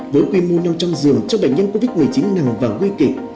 với quy mô nâng trong giường cho bệnh nhân covid một mươi chín nặng và nguy kịch